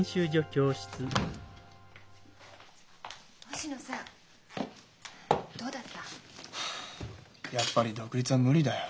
星野さんどうだった？はあやっぱり独立は無理だよ。